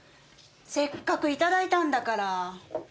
せっかく頂いたんだから。